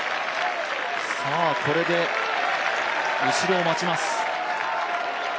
これで後ろを待ちます。